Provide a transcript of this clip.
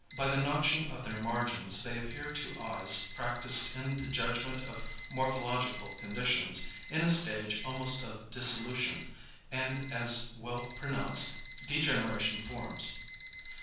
By the notching of their margins they appear to eyes practised in the judgment of morphological conditions, in a stage almost of dissolution, and as well pronounced degeneration forms.